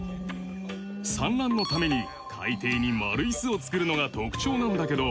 産卵のために海底に丸い巣を作るのが特徴なんだけど。